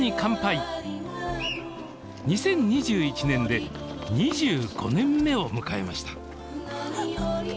２０２１年で２５年目を迎えました